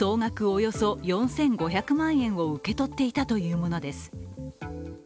およそ４５００万円を受け取っていたというものです。